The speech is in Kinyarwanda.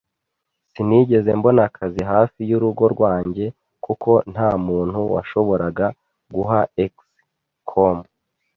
sinigeze mbona akazi hafi y’urugo rwanjye kuko nta muntu washoboraga guha ex-con.